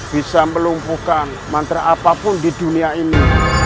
bisa melumpuhkan mantra apapun di dunia ini